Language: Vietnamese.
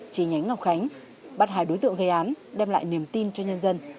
chỉ nhánh ngọc khánh bắt hài đối dựng gây án đem lại niềm tin cho nhân dân